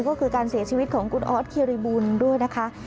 ก็คือการเสียชีวิตของกุ๊ดออสเครียร์รีบูลด้วยนะคะ